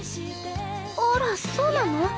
あらそうなの？